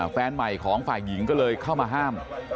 แฟนใหม่ของฝ่ายหญิงก็เลยเข้ามาห้าม